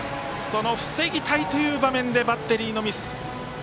防ぎたいという場面でバッテリーのミス。